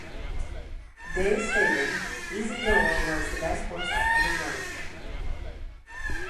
Day stated, Easy Goer was the best horse I ever rode.